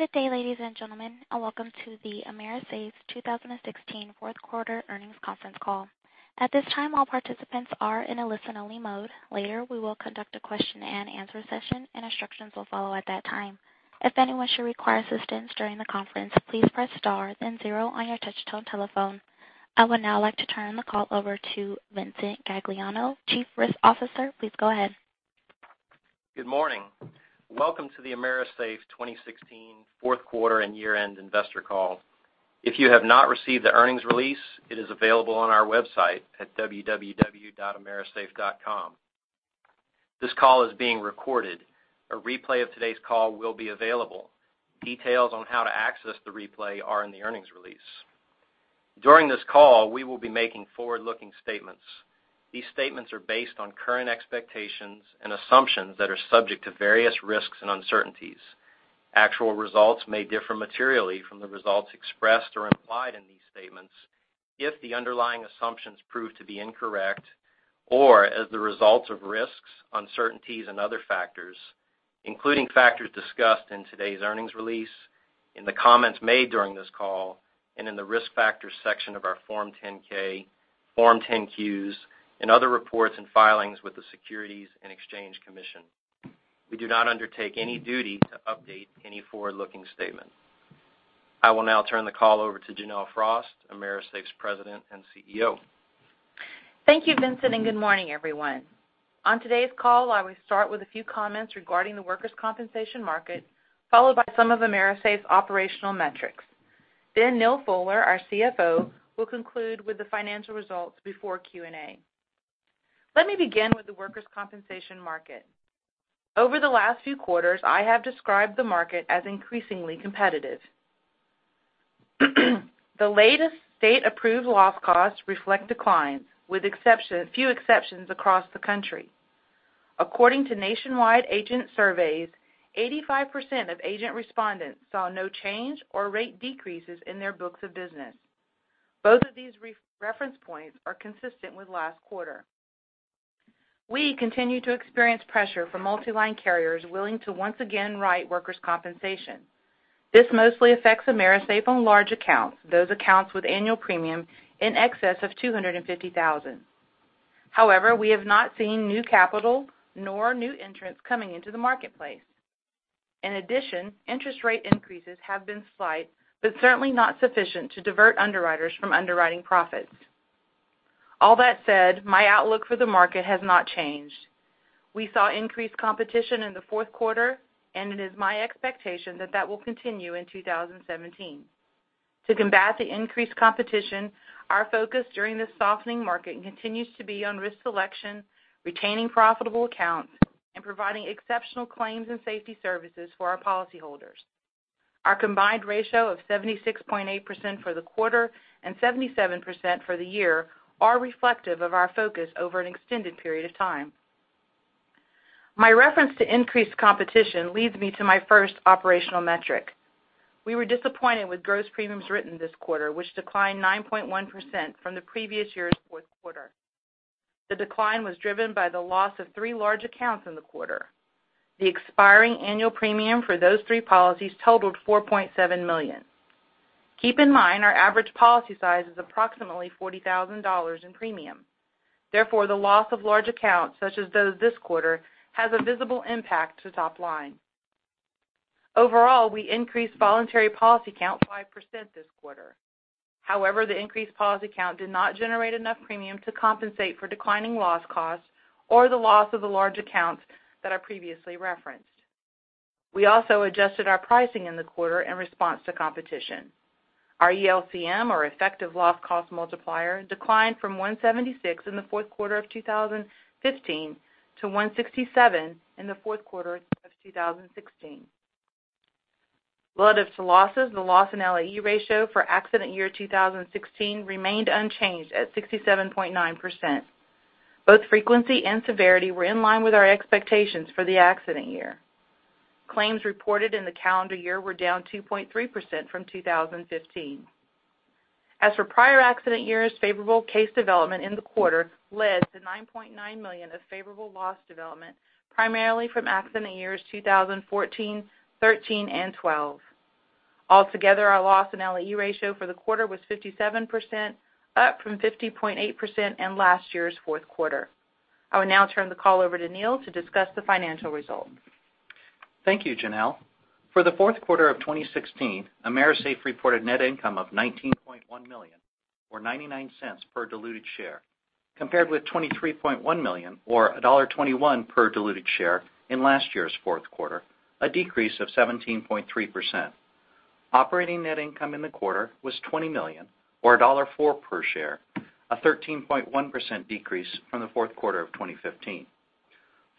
Good day, ladies and gentlemen. Welcome to the AMERISAFE 2016 fourth quarter earnings conference call. At this time, all participants are in a listen-only mode. Later, we will conduct a question and answer session, and instructions will follow at that time. If anyone should require assistance during the conference, please press star then zero on your touch-tone telephone. I would now like to turn the call over to Vincent Gagliano, Chief Risk Officer. Please go ahead. Good morning. Welcome to the AMERISAFE 2016 fourth quarter and year-end investor call. If you have not received the earnings release, it is available on our website at www.amerisafe.com. This call is being recorded. A replay of today's call will be available. Details on how to access the replay are in the earnings release. During this call, we will be making forward-looking statements. These statements are based on current expectations and assumptions that are subject to various risks and uncertainties. Actual results may differ materially from the results expressed or implied in these statements if the underlying assumptions prove to be incorrect or as the results of risks, uncertainties, and other factors, including factors discussed in today's earnings release, in the comments made during this call, and in the Risk Factors section of our Form 10-K, Form 10-Qs, and other reports and filings with the Securities and Exchange Commission. We do not undertake any duty to update any forward-looking statement. I will now turn the call over to Janelle Frost, AMERISAFE's President and CEO. Thank you, Vincent. Good morning, everyone. On today's call, I will start with a few comments regarding the workers' compensation market, followed by some of AMERISAFE's operational metrics. Neal Fuller, our CFO, will conclude with the financial results before Q&A. Let me begin with the workers' compensation market. Over the last few quarters, I have described the market as increasingly competitive. The latest state-approved loss costs reflect declines, with few exceptions across the country. According to nationwide agent surveys, 85% of agent respondents saw no change or rate decreases in their books of business. Both of these reference points are consistent with last quarter. We continue to experience pressure from multi-line carriers willing to once again write workers' compensation. This mostly affects AMERISAFE on large accounts, those accounts with annual premium in excess of $250,000. We have not seen new capital nor new entrants coming into the marketplace. Interest rate increases have been slight, but certainly not sufficient to divert underwriters from underwriting profits. All that said, my outlook for the market has not changed. We saw increased competition in the fourth quarter, and it is my expectation that that will continue in 2017. To combat the increased competition, our focus during this softening market continues to be on risk selection, retaining profitable accounts, and providing exceptional claims and safety services for our policyholders. Our combined ratio of 76.8 for the quarter and 77% for the year are reflective of our focus over an extended period of time. My reference to increased competition leads me to my first operational metric. We were disappointed with gross premiums written this quarter, which declined 9.1% from the previous year's fourth quarter. The decline was driven by the loss of three large accounts in the quarter. The expiring annual premium for those three policies totaled $4.7 million. Keep in mind our average policy size is approximately $40,000 in premium. Overall, we increased voluntary policy count 5% this quarter. The increased policy count did not generate enough premium to compensate for declining loss costs or the loss of the large accounts that I previously referenced. We also adjusted our pricing in the quarter in response to competition. Our ELCM, or effective loss cost multiplier, declined from 176 in the fourth quarter of 2015 to 167 in the fourth quarter of 2016. Relative to losses, the loss and LAE ratio for accident year 2016 remained unchanged at 67.9%. Both frequency and severity were in line with our expectations for the accident year. Claims reported in the calendar year were down 2.3% from 2015. As for prior accident years, favorable case development in the quarter led to $9.9 million of favorable loss development, primarily from accident years 2014, 2013, and 2012. Altogether, our loss and LAE ratio for the quarter was 57%, up from 50.8% in last year's fourth quarter. I will now turn the call over to Neal to discuss the financial results. Thank you, Janelle. For the fourth quarter of 2016, AMERISAFE reported net income of $19.1 million, or $0.99 per diluted share, compared with $23.1 million or $1.21 per diluted share in last year's fourth quarter, a decrease of 17.3%. Operating net income in the quarter was $20 million or $1.04 per share, a 13.1% decrease from the fourth quarter of 2015.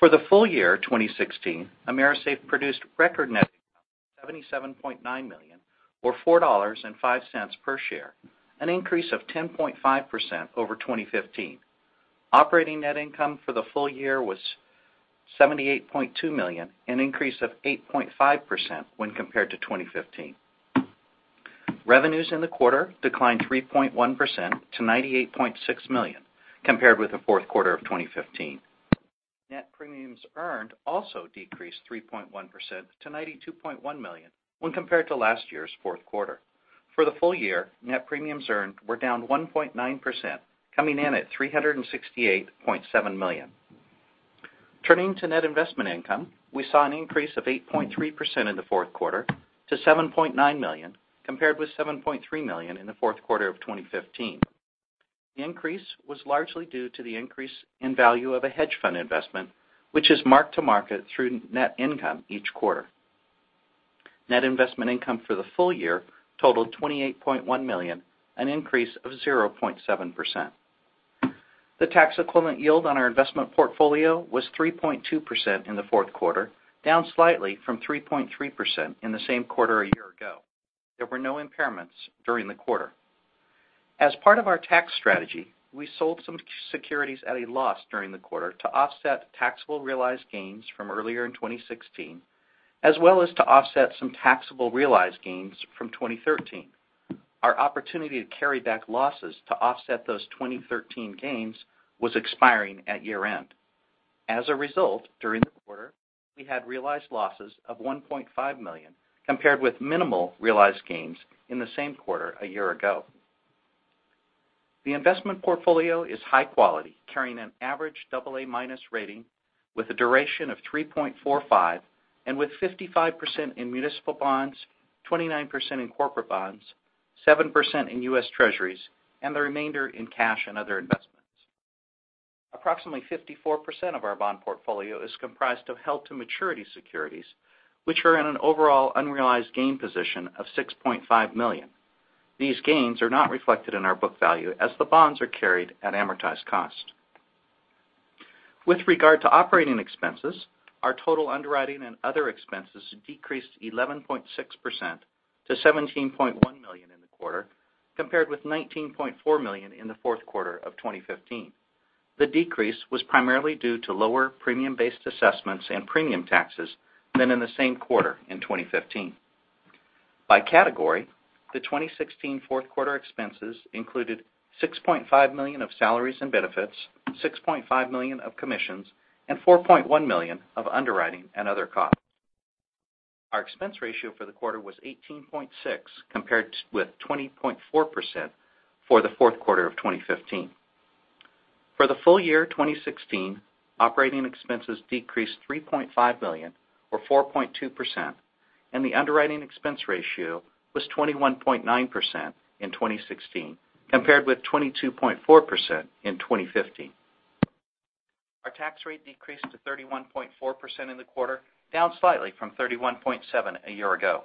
For the full year 2016, AMERISAFE produced record net income of $77.9 million or $4.05 per share, an increase of 10.5% over 2015. Operating net income for the full year was $78.2 million, an increase of 8.5% when compared to 2015. Revenues in the quarter declined 3.1% to $98.6 million compared with the fourth quarter of 2015. Net premiums earned also decreased 3.1% to $92.1 million when compared to last year's fourth quarter. For the full year, net premiums earned were down 1.9%, coming in at $368.7 million. Turning to net investment income, we saw an increase of 8.3% in the fourth quarter to $7.9 million, compared with $7.3 million in the fourth quarter of 2015. The increase was largely due to the increase in value of a hedge fund investment, which is marked to market through net income each quarter. Net investment income for the full year totaled $28.1 million, an increase of 0.7%. The tax equivalent yield on our investment portfolio was 3.2% in the fourth quarter, down slightly from 3.3% in the same quarter a year ago. There were no impairments during the quarter. As part of our tax strategy, we sold some securities at a loss during the quarter to offset taxable realized gains from earlier in 2016, as well as to offset some taxable realized gains from 2013. Our opportunity to carry back losses to offset those 2013 gains was expiring at year-end. As a result, during the quarter, we had realized losses of $1.5 million, compared with minimal realized gains in the same quarter a year ago. The investment portfolio is high quality, carrying an average double A-minus rating with a duration of 3.45, and with 55% in municipal bonds, 29% in corporate bonds, 7% in U.S. Treasuries, and the remainder in cash and other investments. Approximately 54% of our bond portfolio is comprised of held-to-maturity securities, which are in an overall unrealized gain position of $6.5 million. These gains are not reflected in our book value as the bonds are carried at amortized cost. With regard to operating expenses, our total underwriting and other expenses decreased 11.6% to $17.1 million in the quarter, compared with $19.4 million in the fourth quarter of 2015. The decrease was primarily due to lower premium-based assessments and premium taxes than in the same quarter in 2015. By category, the 2016 fourth-quarter expenses included $6.5 million of salaries and benefits, $6.5 million of commissions, and $4.1 million of underwriting and other costs. Our expense ratio for the quarter was 18.6%, compared with 20.4% for the fourth quarter of 2015. For the full year 2016, operating expenses decreased $3.5 million or 4.2%, and the underwriting expense ratio was 21.9% in 2016 compared with 22.4% in 2015. Our tax rate decreased to 31.4% in the quarter, down slightly from 31.7% a year ago.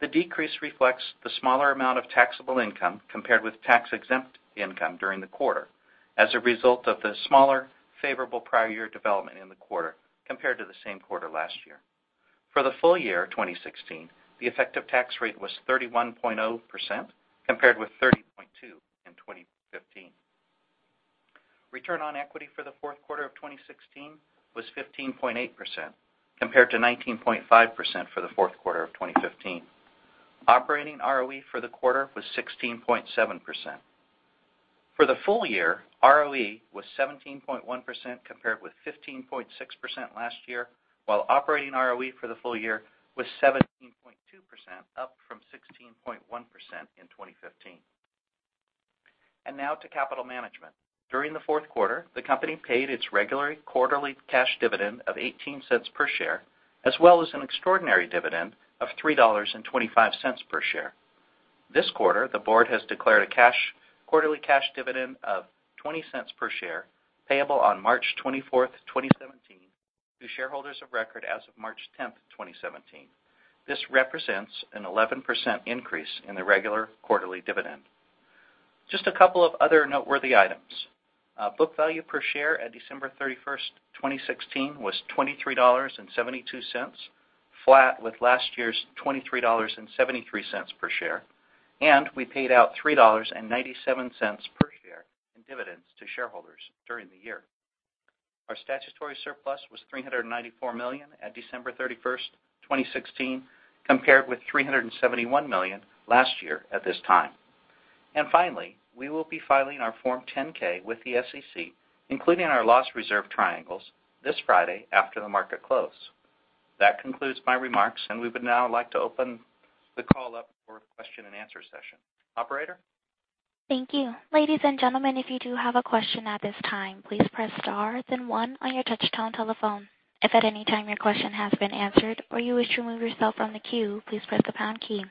The decrease reflects the smaller amount of taxable income compared with tax-exempt income during the quarter as a result of the smaller favorable prior year development in the quarter compared to the same quarter last year. For the full year 2016, the effective tax rate was 31.0% compared with 30.2% in 2015. Return on equity for the fourth quarter of 2016 was 15.8%, compared to 19.5% for the fourth quarter of 2015. Operating ROE for the quarter was 16.7%. For the full year, ROE was 17.1% compared with 15.6% last year, while operating ROE for the full year was 17.2%, up from 16.1% in 2015. Now to capital management. During the fourth quarter, the company paid its regular quarterly cash dividend of $0.18 per share, as well as an extraordinary dividend of $3.25 per share. This quarter, the board has declared a quarterly cash dividend of $0.20 per share, payable on March 24th, 2017, to shareholders of record as of March 10th, 2017. This represents an 11% increase in the regular quarterly dividend. Just a couple of other noteworthy items. Book value per share at December 31st, 2016 was $23.72, flat with last year's $23.73 per share. We paid out $3.97 per share in dividends to shareholders during the year. Our statutory surplus was $394 million at December 31st, 2016, compared with $371 million last year at this time. Finally, we will be filing our Form 10-K with the SEC, including our loss reserve triangles this Friday after the market close. That concludes my remarks, and we would now like to open the call up for a question and answer session. Operator? Thank you. Ladies and gentlemen, if you do have a question at this time, please press star then one on your touch-tone telephone. If at any time your question has been answered or you wish to remove yourself from the queue, please press the pound key.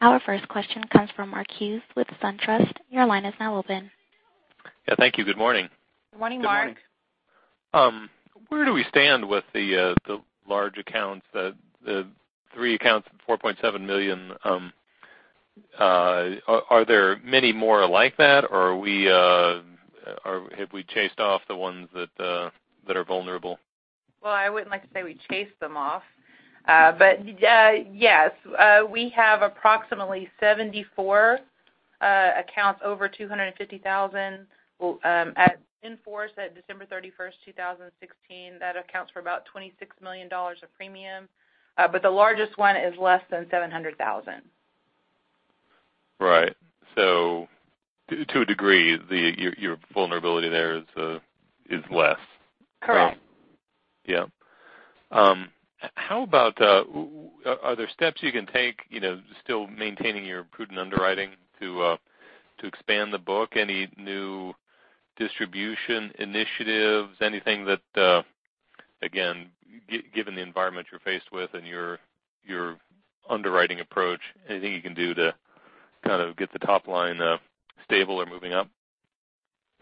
Our first question comes from Mark Hughes with SunTrust. Your line is now open. Good morning. Good morning, Mark. Good morning. Where do we stand with the large accounts, the three accounts of $4.7 million? Are there many more like that, or have we chased off the ones that are vulnerable? Well, I wouldn't like to say we chased them off. Yes, we have approximately 74 accounts over $250,000 in force at December 31, 2016, that accounts for about $26 million of premium. The largest one is less than $700,000. Right. To a degree, your vulnerability there is less. Correct. Yeah. How about, are there steps you can take, still maintaining your prudent underwriting to expand the book? Any new distribution initiatives? Anything that, again, given the environment you're faced with and your underwriting approach, anything you can do to kind of get the top line stable or moving up?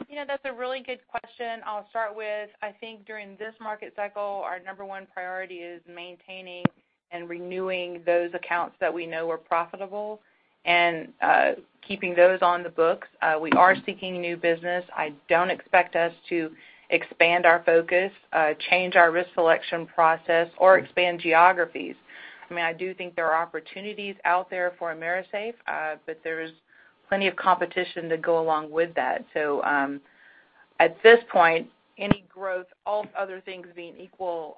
Yeah, that's a really good question. I'll start with, I think during this market cycle, our number one priority is maintaining and renewing those accounts that we know are profitable and keeping those on the books. We are seeking new business. I don't expect us to expand our focus, change our risk selection process, or expand geographies. I do think there are opportunities out there for AMERISAFE, but there is plenty of competition to go along with that. At this point, any growth, all other things being equal,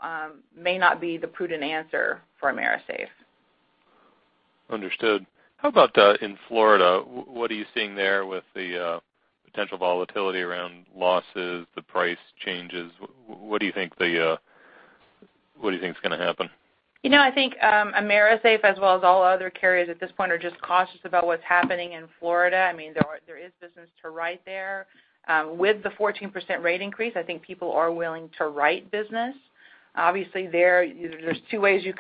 may not be the prudent answer for AMERISAFE. Understood. How about in Florida? What are you seeing there with the potential volatility around losses, the price changes? What do you think is going to happen? I think AMERISAFE, as well as all other carriers at this point, are just cautious about what's happening in Florida. There is business to write there. With the 14% rate increase, I think people are willing to write business. Obviously there's two ways you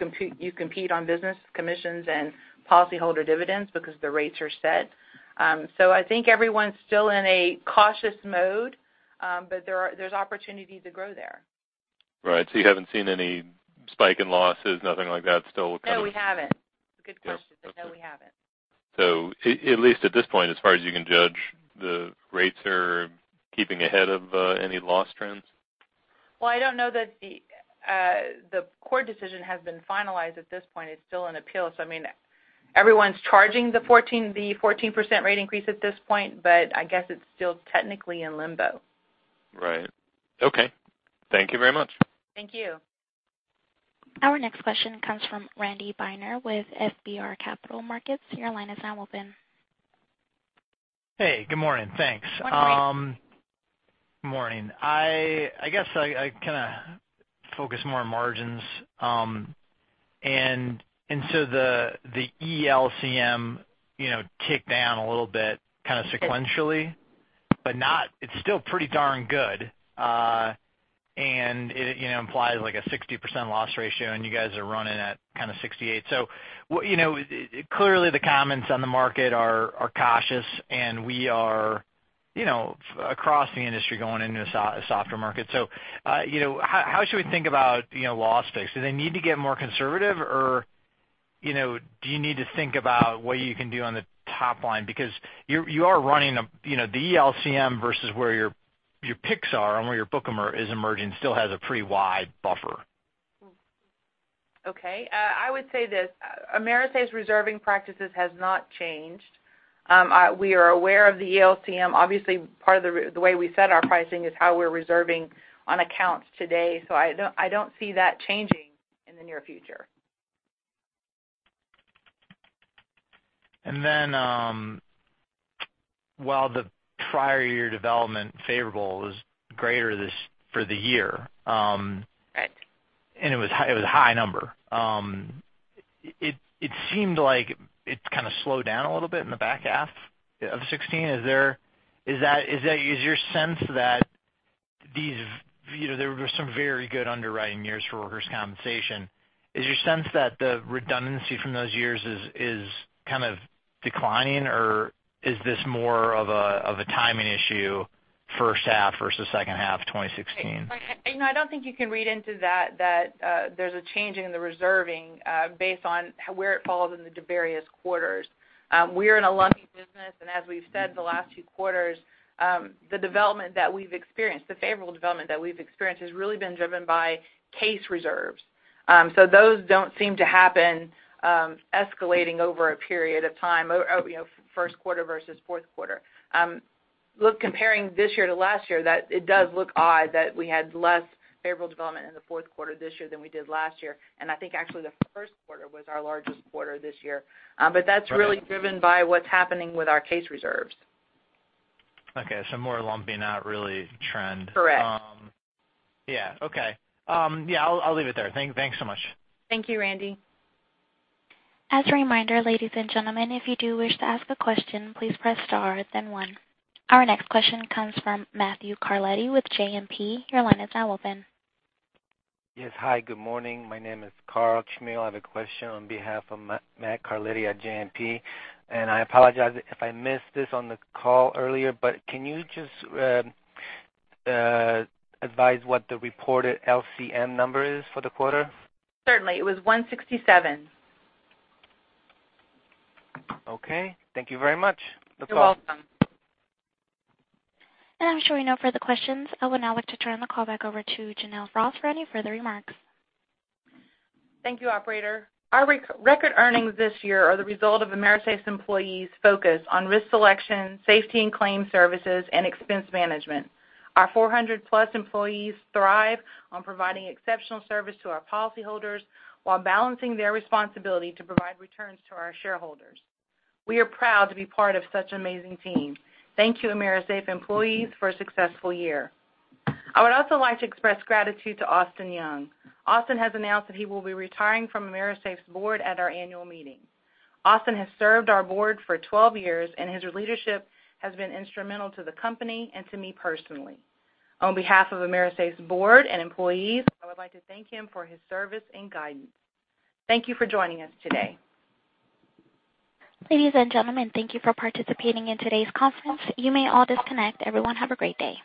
compete on business, commissions and policyholder dividends, because the rates are set. I think everyone's still in a cautious mode, but there's opportunity to grow there. Right. You haven't seen any spike in losses, nothing like that? No, we haven't. Good question, but no, we haven't. At least at this point, as far as you can judge, the rates are keeping ahead of any loss trends? Well, I don't know that the court decision has been finalized at this point. It's still on appeal, so everyone's charging the 14% rate increase at this point, but I guess it's still technically in limbo. Right. Okay. Thank you very much. Thank you. Our next question comes from Randy Binner with FBR Capital Markets. Your line is now open. Hey, good morning. Thanks. Good morning. Morning. I guess I kind of focus more on margins. The ELCM ticked down a little bit kind of sequentially, but it's still pretty darn good. It implies like a 60% loss ratio and you guys are running at kind of 68%. Clearly the comments on the market are cautious and we are across the industry going into a softer market. How should we think about loss picks? Do they need to get more conservative or do you need to think about what you can do on the top line? Because you are running the ELCM versus where your picks are and where your book is emerging still has a pretty wide buffer. Okay. I would say this, AMERISAFE's reserving practices has not changed. We are aware of the ELCM. Obviously, part of the way we set our pricing is how we're reserving on accounts today. I don't see that changing in the near future. While the prior year development favorable is greater for the year- Right It was a high number. It seemed like it's kind of slowed down a little bit in the back half of 2016. Is your sense that there were some very good underwriting years for workers' compensation? Is your sense that the redundancy from those years is kind of declining, or is this more of a timing issue, first half versus second half of 2016? I don't think you can read into that there's a change in the reserving based on where it falls into various quarters. We're in a lumpy business, and as we've said the last two quarters, the development that we've experienced, the favorable development that we've experienced, has really been driven by case reserves. Those don't seem to happen escalating over a period of time, first quarter versus fourth quarter. Look, comparing this year to last year, it does look odd that we had less favorable development in the fourth quarter this year than we did last year, and I think actually the first quarter was our largest quarter this year. That's really driven by what's happening with our case reserves. Okay, more lumping, not really trend. Correct. Yeah. Okay. Yeah, I'll leave it there. Thanks so much. Thank you, Randy. As a reminder, ladies and gentlemen, if you do wish to ask a question, please press star then one. Our next question comes from Matthew Carletti with JMP. Your line is now open. Yes, hi, good morning. My name is Karol Chmiel. I have a question on behalf of Matt Carletti at JMP, and I apologize if I missed this on the call earlier, but can you just advise what the reported LCM number is for the quarter? Certainly. It was 167. Okay. Thank you very much. You're welcome. I'm showing no further questions. I would now like to turn the call back over to Janelle Frost for any further remarks. Thank you, operator. Our record earnings this year are the result of AMERISAFE's employees' focus on risk selection, safety and claim services, and expense management. Our 400-plus employees thrive on providing exceptional service to our policyholders while balancing their responsibility to provide returns to our shareholders. We are proud to be part of such an amazing team. Thank you, AMERISAFE employees, for a successful year. I would also like to express gratitude to Austin Young. Austin has announced that he will be retiring from AMERISAFE's board at our annual meeting. Austin has served our board for 12 years, and his leadership has been instrumental to the company and to me personally. On behalf of AMERISAFE's board and employees, I would like to thank him for his service and guidance. Thank you for joining us today. Ladies and gentlemen, thank you for participating in today's conference. You may all disconnect. Everyone have a great day.